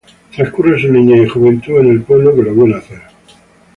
Transcurre su niñez y juventud en el pueblo que lo vio nacer.